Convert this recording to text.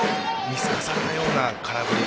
見透かされたような空振り。